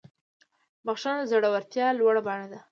بخښنه د زړورتیا لوړه بڼه ده.